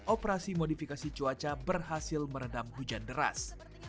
operasi modifikasi cuaca berhasil meredam hujan deras